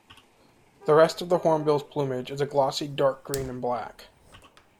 The rest of the hornbill's plumage is a glossy dark-green and black.